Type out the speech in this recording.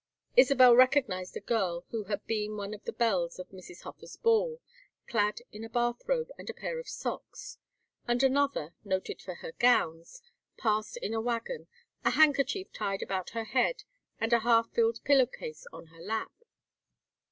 Isabel recognized a girl who had been one of the belles of Mrs. Hofer's ball, clad in a bath gown and a pair of socks, and another, noted for her gowns, passed in a wagon, a handkerchief tied about her head and a half filled pillow case on her lap.